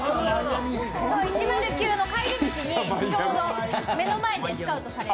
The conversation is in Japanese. １０９の帰り道にちょうど目の前でスカウトされて。